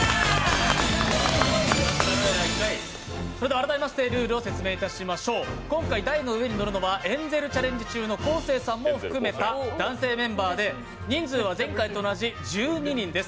改めましてルールを説明いたしましょう今回、台の上に乗るのはエンゼルチャレンジ中の昴生さんも含めた男性メンバーで人数は前回と同じ１２人です。